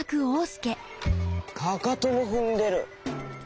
かかともふんでる。